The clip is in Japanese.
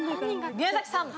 宮崎さん。